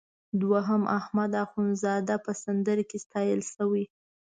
دوهم احمد اخوندزاده په سندره کې ستایل شوی.